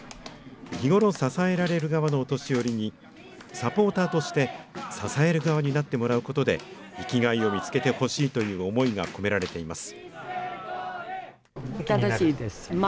日頃支えられる側のお年寄りに、サポーターとして支える側になってもらうことで、生きがいを見つけてほしいという思いが込められています。